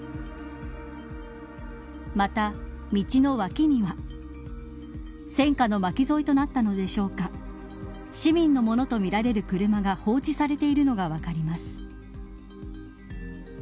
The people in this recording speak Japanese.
また、道の脇には戦火の巻き添えとなったのでしょうか市民のものとみられる車が放置されているのが分かります。